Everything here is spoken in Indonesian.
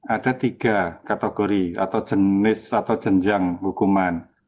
ada tiga kategori atau jenis atau jenjang hukuman